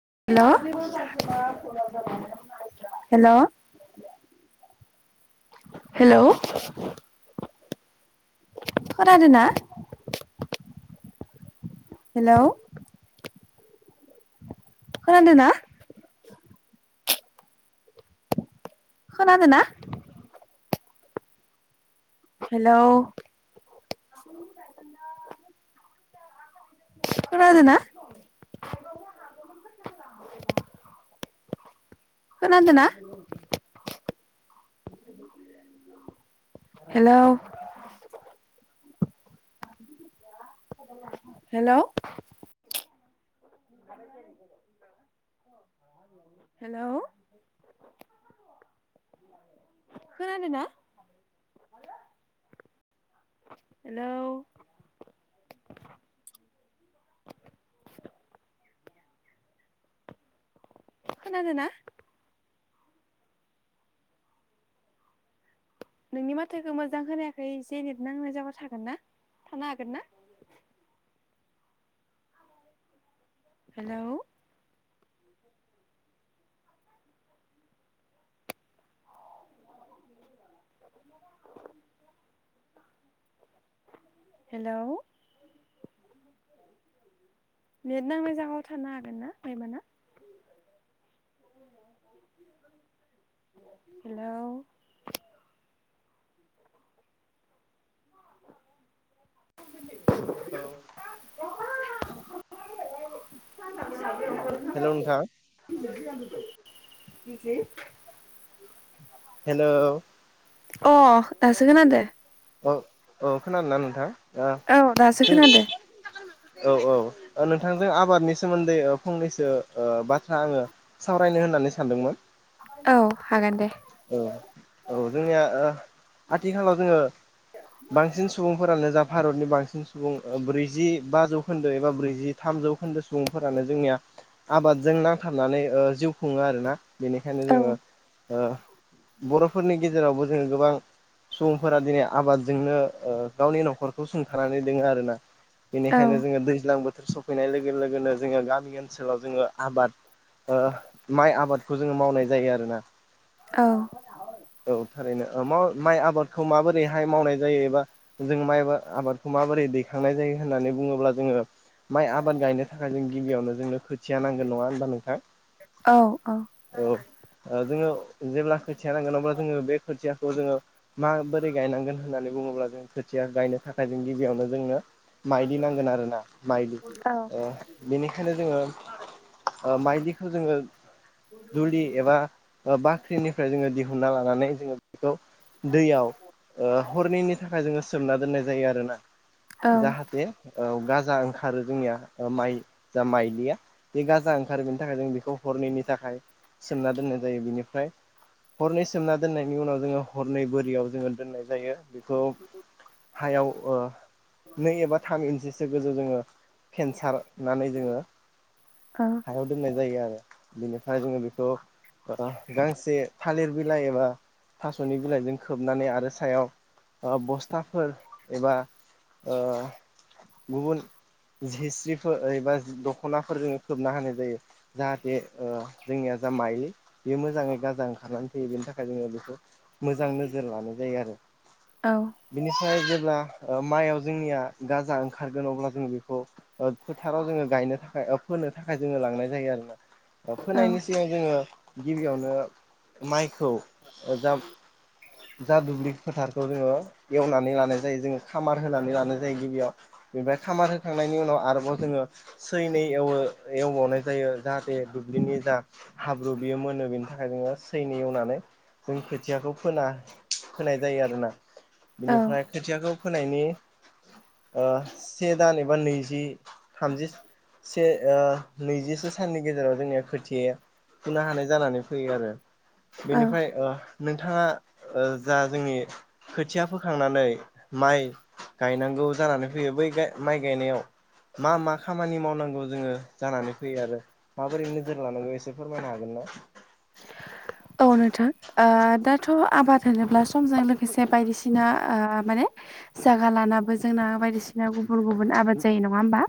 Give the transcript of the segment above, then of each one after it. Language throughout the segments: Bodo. हेल' हेल' हेल' खोनादोंना? हेल' खोनादोंना? खोनादोंना? हेल' खोनादोना? खोनादोंना? हेल' हेल' हेल' खोनादोना? हेल' [inaudible] खोनादोंना? नोंनि माथोखौ मोजां खोनायाखै एसे नेट नांनाय जायगायाव थागोन ना थानो हागोन ना? [inaudible] हेल' हेलौ नेट नांनाय जायगायाव थानो हागोन ना हायोबाना? हेलौ हेल' [unintelligible] हेल' नोंथां। [unintelligible] हेलौ अ‌ दासो खोनादों। औ औ खोनादोंना नोंथां? ओ औ दासो जों खोनादों। औ औ नोंथांजों आबादनि सोमोन्दै फंनैसो बाथ्रा आङो सावरायनो होननानै सानदोंमोन। औ हागोन दे औ औ जोंनिया ओ आथिखालाव जोङो बांसिन सुबुंफोरानो जा भारतनि बांसिन सुबुं ब्रैजि बा जौखोन्दो एबा ब्रैजि थाम थामजौखोन्दो सुबुंफोरानो जोंनिया आबादजों नांथाबनानै ओ जिउ खुङो आरोना। बेनिखायनो औ जोङो बर'फोरनि गेजेरावबो जोङो गोबां सुबुंफोरा दिनै आबादजोंनो ओ गावनि नखरखौ सुंथानानै दोङो आरोना बेनिखायनो जोङो दैज्लां बो बोथोर सफैनाय लोगो लोगोनो जोङो गामि ओनसोलाव जोङो आबाद माइ आबादखौ जोङो मावनाय जायो आरोना। औ औ थारैनो माव माइ आबादखौ माबो रैहाय मावनाय जायो एबा जों माइ आबादखौ माबोरै दैखांनाय जायो होननानै बुङोब्ला जोङो् माइ आबाद गायनो थाखाय जों गिबियावनो जोंनो खोथिया नांगोन नङा होनबा नोंथां? औ औ जोङो जेब्ला खोथिया नांगोन अब्ला जोङो बे खोथिया खौ जोङो माबोरै गायनांगोन होननानै बुङोब्ला जों खोथिया गायनो थाखाय जों गिबियावनो जोंनो माइलि नांगोन आरोना माइलि औ बेनिखायनो जोङो ओ माइलिखौ जोङो दुलि एबा बाख्रिनिफ्राय जोङो दिहुनना लानानै जोङो बेखौ दैयाव हरनैनि थाखाय जोङो सोमना दोननाय जायो आरोना औ जाहाथे औ गाजा ओंखारो जोंनिया माइ जा माइलिया बे गाजा ओंखारो बेनि थाखाय जों बेखौ हरनैनि थाखाय सोमना दोननाय जायो। बेनिफ्राय हरनै सोमना दोननायनि उनाव जोङो हरनै बोरियाव जोङो दोन्नाय जायो बेखौ हायाव ओ नै एबा थाम गोसो गोजौ जोङो फेनसारनानै जोङो औ हायाव दोननाय जायो आरो‌। बिनिफ्राय जोङो बेखौ गांसे थालिर बिलाइ एबा थास'नि बिलाइजों खोबनानै आरो सायाव बस्थाफोर एबा गुबुन हिस्ट्रिफोरबा दख'नाफोर जोङो खोबना होनाय जायो जाहाथे जोंनिया जा मायलि बेयो मोजाङै गाजा ओंखारनानै फैयो बेनि थाखाय जोङो बेखौ मोजां नोजोर लानाय जायो आरो बिनि। जेब्ला ओ माइयाव जोंनिया गाजा ओंखारगोन अब्ला जों बेखौ ओ फोथाराव जोङो गा यनो थाखाय औ फोनो थाखाय जोङो लांनाय जायो आरोना। फोनायनि औ सिगां जोङो गिबियावनो माइखौ जाब दुब्लि फोथारखौ जोङो एवनानै लानाय जायो जोङो सामार होनानै लानाय जायो गिबियाव बेनिफ्राय सामार होखांनायनि उनाव आरोबाव जोङो सैनै एवो एवबावनाय जायो जाहाथे दुब्लिनि जा हाब्रु बियो मोनो बेनि थाखाय जोङो सैनि एवनानै जों खोथियाखौ फोना फोनाय जायो आरोना औ बिनिफ्राय खोथियाखौ फोनायनि से दान एबा नैजि थामजि से नैजिसे साननि गेजेराव जोंनिया खोथियाया फुनो हानाय जानानै फैयो आरो औ बेनिफ्राय नोंथाङा जा जोंनि खोथिया फोखांनानै माइ गायनांगौ जानानै फैयो बै गाय माइ गायनायाव मा मा खामानि मावनांगौ जोङो जानानै फैयो आरो माबोरै नोजोर लानांगौ एसे फोरमायनो हागोन [inaudible] औ नोंथां ओ दाथ' आबाद होनोब्ला समजों लोगो खायसे बायदिसिना ओ माने जागा लानाबो जोंना बायदिसिना गुबुन गुबुन आबाद जायो नङा होमबा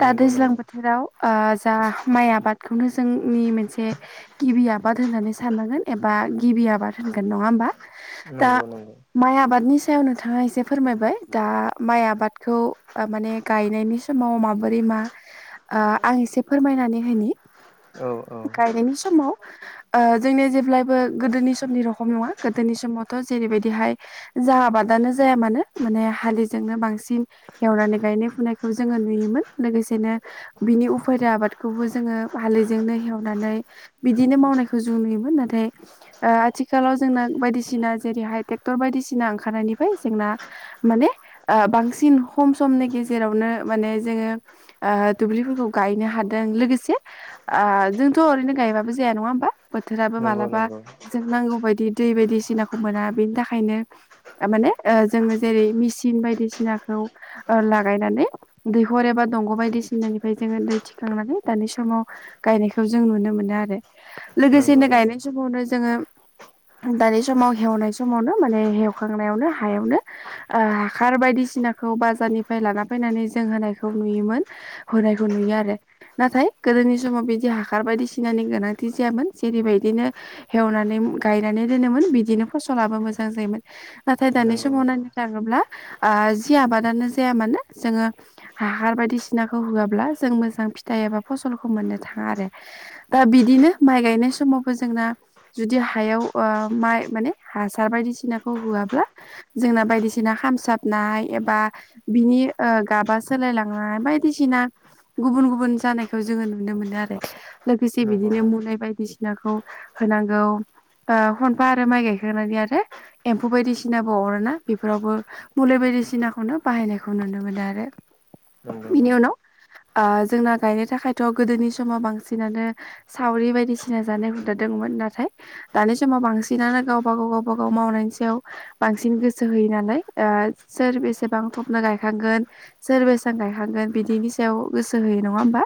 दा नंगौ दैज्लां नंगौ बोथोराव जा माइ आबाद बेखौनो जोंनि मोनसे गिबिया आबाद होननानै साननांगोन एबा गिबि आबाद होनगोन नङा होमबा दा नंगौ नंगौ माय आबादनि सायाव नोथां बिथाङा एसे फोरमायबाय दा माइ आबादखौ ओ माने गायनायनि समाव माबोरै मा आं एसे फोरमायनानै होनि औ औ गायनायनि समाव जोंनिया जेब्लायबो गोदोनि समनि रखम नङा गोदोनि समावथ' जेरैबायदिहाय जा आबादानो जाया मानो माने हालिजोंनो बांसिन एवनानै गायनाय फुनायखौ जोङो नुयोमोन लोगोसेनो बिनि उफेरा आबादखौबो जोङो हालैजोंनो हेवनानै बिदिनो मावनायखौ जों नुयोमोन नाथाय आथिखालाव जोंना बायदिसिना जेरैहाय ट्रेक्टर बायदि बायदिसिना ओंखारनायनिफ्राय जोंना माने बांसिन खम समनि गेजेरावनो माने जोंङो ओ दुब्लिफोरखौ गायनो हादों लोगोंसे ओ जोंथ ' ओरैनो गायबाबो ज नङा हबा बोथोराबो नंगौ मालाबा नंगौ जों नांगौ बायदि बि दै बायदिसिनाखौ मोना बिनि थाखायनो माने जोङो जेरै मेसिन बायदिसिनाखौ लागायनानै दैखर एबा दंग' बायदिसिनानिफ्राय जोङो दै थिखांनानै दानि समाव गायनायखौ जों नुनो मोनो आरो नंगौ लोगोसेनो नंगौ गायनाय समावनो जोङो दानि समाव हेवनाय समावनो माने हेवखांनायावनो हायावनो हासार बायदिसिना नाखौ बाजारनिफ्राय लाना फैनानै जों होनायखौ नुयोमोन हुनायखौ नुयो आरो नाथाय गोदोनि समाव बिदि हासार बायदिसिनानि गोनां बिदि जायामोन जेरैबायदिनो एवनानै गायनानै दोनोमोन बिदिनो फसलाबो मोजां जायोमोन। नाथाय दानि नंगौ समाव नंगौ नायनो थाङोब्ला ओ जि आबादानो जाया मानो जोङो हा हासार बायदिसिनाखौ होआब्ला जों मोजां फिथाइ एबा फसलखौ मोननो थाङा आरो दा बिदिनो। माइ गायनाय समावबो जोंना जुदि हायाव माइ माने हासार बायदिसिनाखौ होआ। जोंना बायदिसिना ओंखाम सारनाय एबा बिनि गाबा सोलाय बायदिसिना गुबुन गुबुन जानायखौ जोङो नुनो मोनो आरो लोगोसे नंगौ बिदिनो मुलि बायदिसिनाखौ होनांगौ खनफा आरो माइ गायखांनानै आरो एम्फौ बायदिसिनाबो अरोना बेफोरावबो मुलि बायदि बायदिसिनाखौनो बाहायनायखौ नुनो मोनो आरो। नंगौ बिनि नंगौ उनाव जोंना गायनो थाखायथ' गोदोनि समाव बांसिनानो सावरि बायदिसिना जानाय हुदा दंदोंमोन नाथाय दानि समाव बांसिनानो गावबा गाव गावब गाव मावनायनि बांसिन गोसो होयो नालाय सोर बेसेबां थबनो गायखांगोन सोर बे बिसां गायहांगोन बिदिनि सायाव गोसो होयो नङा होमबा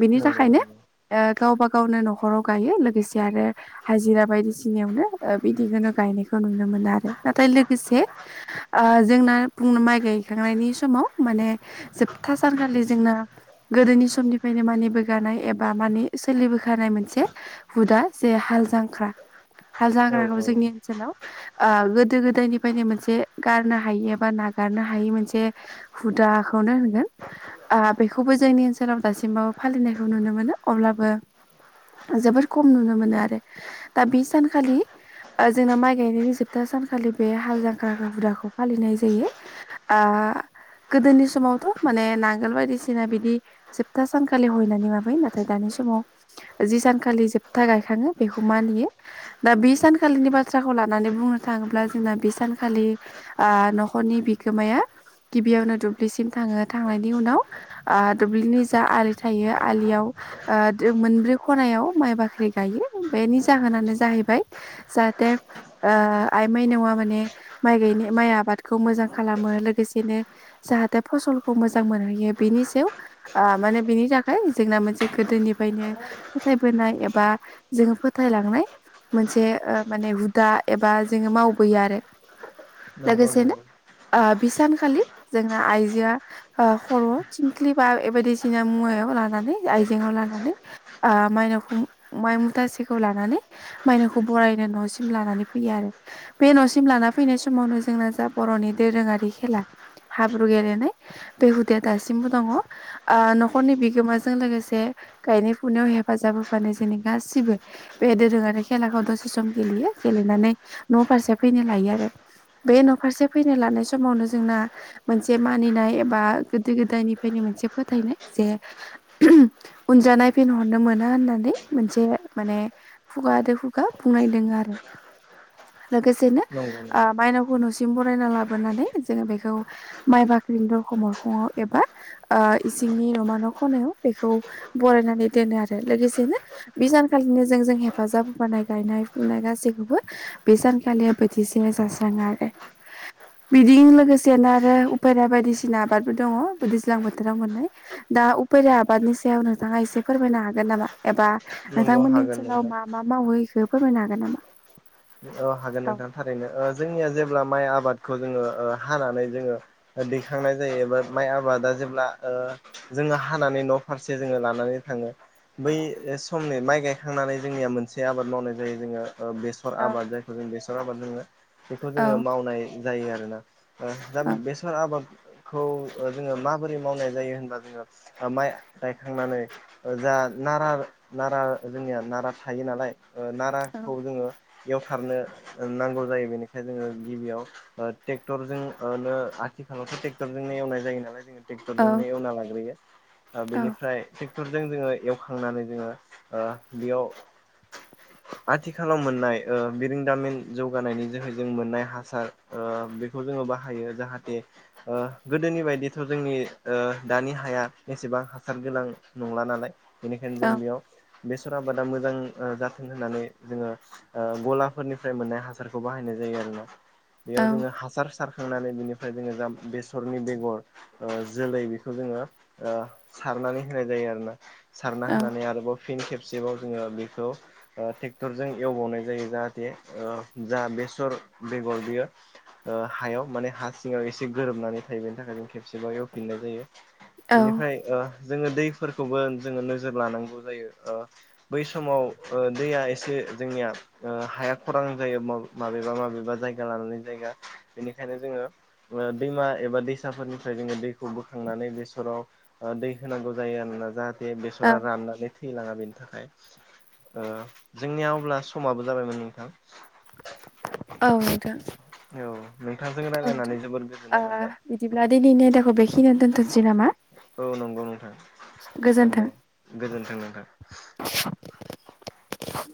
बिनि नंगौ थाखायनो नंगौ। ओ गावबा गावनो न'खराव गायो लोगोसे आरो हाजिरा बायदिसिनायावनो बिदिखौनो गायनायखौ नुनो मोनो। मोनो आरो नाथाय लोगोसे जोंना माइ गायखांनायनि समाव माने जोबथा सानखालि जोंना गोदोनि समनिफ्रायनो मानि बोगानाय एबा मानि सोलिबोखानाय मोनसे हुदा जे हाल जांख्रा हाल औ जांख्राखौ औ जोंनि ओनसोलाव गोदो गोदायनिफ्रायनो मोनसे गारनो हायि एबा नागारनो हायि मोनसे हुदा। हुदाखौनो होनगोन बेखौबो जोंनि ओनसोलाव दासिमबो फालिनायखौ नुनो मोनो अब्लाबो जोबोर खम नुनो मोनो आरो दा बे सानखालि जोंना माइ गायनायनि जोबथा सानखालि बे हाल जांख्राखौ हुदाखौ फालिनाय जायो। [inaudible] गोदोनि समावथ' माने नांगोल बायदिसिना बिदि जोबथा सानखालि हयनानै माबायो नाथाय दानि समाव जि सानखालि जोबथा गायखाङो बेखौ मानियो दा बे सानखालिनि बाथ्राखौ लानानै बु बुंनो थाङोब्ला जोंना बे सानखालि न'खरनि बिगोमाया गिबियावनो दुब्लिसिम थाङो थांनायनि उनाव दुब्लिनि जा आलि थायो आलियाव ओं। मोनब्रै खनायाव माइ बाख्रि गायो बेनि जाहोनानो जाहैबाय जाहाथे आइ माइनावआ माने माइ गाय माइ आबादखौ मोजां खालामो लोगोसेनो जा जाथे फसलखौ मोजां मोनैयो बेनि सायाव माने बिनि थाखाय जोंना मोनसे गोदोनि बेहायनो फोथायबोनाय एबा जोङो फोथायलांनाय। मोनसे माने हुदा एबा जोङो मावबोयो आरो नंगौ लोगोसेनो नंगौ बिसानखालि जोंना आइजोआ ओ खर' थिंख्लि बा बे बायदिसिना मुवायाव लानानै आइजेंआव लानानै ओ मायनावखौ माइ मुथासेखौ लानानै मायनावखौ बरायनो न'सिम लानानै फै आरो बे न'सिम लाना फैनाय समावनो जोंना जा बर'नि दोरोङारि खेला हाब्रु गेलेनाय बे हुदाया दासिमबो दङ न'खरनि बिगोमाजों लोगोसे गायनाय फुनायाव हेफाजाब होफानो जोंनि गासिबो बे दोरोङारि खेलाखौ दसे सम गेलेयो। न' फारसे फैनो लायो आरो बे न' फारसे फैनो लानाय समावनो जों मोनसे मानिनाय एबा गोदो गोदायनिफ्रायनो मोनसे फोथायनाय जे उनजाय नायहरफिनो मोना होननानै मोनसे माने खुगा द खुगा बुंनायदों आरो। लोगोसेनो नंगौ नंगौ ओ माइनावखौ न सि बरायना लाबोनानै जों बेखौ माइ बाख्रि दरख' मोखाङाव एबा जोंनि नमा न' खनायाव बेखौ बरायनानै दोनो आरो लोगोसेनो बे जानखालिनो जों जों हेफाजाब होबानाय गायनाय फुनाय गासि बो बे जानखालिया बायदि जास्राङो आरो। बिदि लोगोसेनो आरो उपेरा बायदिसिना आबादबो दङ दैज्लां बोथोराव मोननाय दा उपेरा आबादनि सा नोंथाङा एसे फोरमायनो हागोन नामा एबा नंगौ नोंथांमोननि हागोन ओनसोलाव नोंथां मा मा मावो बेखौ फोरमायनो हागोन नामा। औ हागोन नोंथां थारैनो जोंनिया जेब्ला माइ आबाद जोङो हानानै जोङो दैखांनाय जायो एबा माइ आबादा जेब्ला जोङो हानानै न' फारसे जोङो लानानै थाङो। बै समनि माइ गायखांनानै जोंनिया मोनसे आबाद मावनाय जायो जोङो। बेखर औ आबाद जायखौ जों बेसर आबाद जोङो बेखौ जोङो औ मावनाय जायो आरो ना। दा औ बेसर आबाद खौ जोङो माबोरै मावनाय जायो होनबा जोङो माइ गायखांनानै जा नारा नारा जोंनिया नारा थायो नालाय ओ औ नाराखौ जोङो एवथारनो नांगौ जायो बेनिखायनो जोङो गिबियाव ट्रेक्टरजोंनो आथिखालावथ' ट्रेक्टरजोंनो एवनाय जायो नालाय जोङो औ ट्रेक्टरजोंनो एवना लाग्रोयो। औ बेनिफ्राय ट्रेक्टरजों जोङो एवखांनानै जोङो ओ बेयाव आथिखालाव मोननाय ओ बिरोदामिन जौगानायनि जोहै जों मोननाय हासार बेखौ जोङो बाहायो जाहाथे। ओ गोदोनि बायदिथ' जोंनि ओ दानि हाया एसेबां हासार गोनां नंला नालाय बेनिखायनो औ जों बेयाव बेसर आबादा मोजां जाथों होननानै जोङो ओ गलाफोरनिफ्राय मोननाय हासारखौ बाहायनाय जायो आरो ना बेयाव जोङो हासार सार खांनानै बिनिफ्राय जों बेसरनि बेगर जोलै बेखौ जोङोओ सार होनाय जायो आरोना सारना होनानै आरोबाव फिन खेबसेबाव जोङो बेखौ ओ ट्रेक्टरजों एवबावनाय जायोना जाहाथे बेसर बेगर बेयो हायाव माने हा सिङाव एसे गोरोबनानै थायो बेनि थाखाय जों खेबसेबा एवफिननाय जायो औ बेनिफ्राय ओ जोङो दैफोरखौबो जोङो नोजोर लानांगौ जायो बै समाव ओ दैया एसे जोंनिया ओ हाया खरां जायो माबेबा माबेबा जायगा लानानै जायगा बेनिखायनो जोङो दैमा एबा दैसाफोरनिफ्राय जोङो दैखौ बोखांनानै बेसराव दै होनांगौ जायो आरोना जाहा थे औ बेसरा राननानै थैलाङा बेनि थाखाय जोंनियाव अब्ला समाबो जाबायमोन नोंथां। औ नोंथां। औ नोंथांजों औ नोंथां रायलायनानै जोबोर ओ गोजोननाय मोनबाय बिदिब्ला दिनैनि आयदाखौ बेखिनियावनो दोनथ'सै नामा? औ नंगौ नोंथां गोजोन्थों। दे गोजोनथों नोंथां। [inaudible]